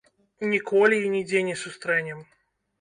Ніколі і нідзе не сустрэнем.